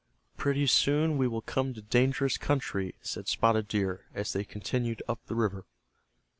"Pretty soon we will come to dangerous country," said Spotted Deer, as they continued up the river.